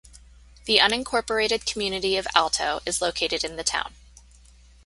The unincorporated community of Alto is located in the town.